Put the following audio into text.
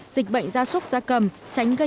dịch bệnh ra súc ra cầm tránh gây